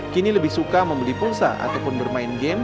kini lebih suka membeli pulsa ataupun bermain game